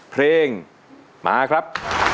เพลงมาครับ